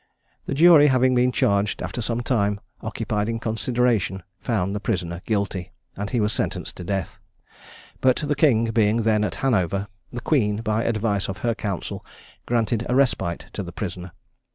The jury having been charged, after sometime occupied in consideration, found the prisoner guilty, and he was sentenced to death; but the King being then at Hanover, the Queen, by advice of her council, granted a respite to the prisoner.